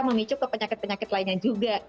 memicu ke penyakit penyakit lainnya juga